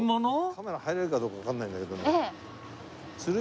カメラ入れるかどうかわかんないんだけども。